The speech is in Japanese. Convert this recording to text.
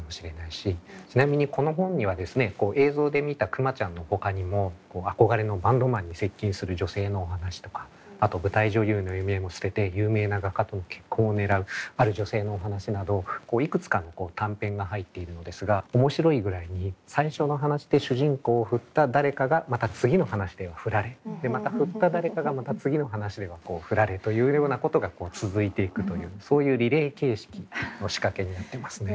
ちなみにこの本にはですね映像で見たくまちゃんのほかにも憧れのバンドマンに接近する女性のお話とかあと舞台女優の夢も捨てて有名な画家との結婚を狙うある女性のお話などいくつかの短編が入っているのですが面白いぐらいに最初の話で主人公を振った誰かがまた次の話では振られまた振った誰かがまた次の話では振られというようなことが続いていくというそういうリレー形式の仕掛けになってますね。